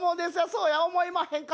そうや思いまへんか？